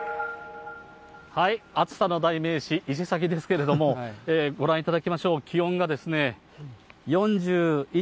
暑さの代名詞、伊勢崎ですけれども、ご覧いただきましょう、気温が４１．８度。